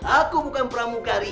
aku bukan pramugari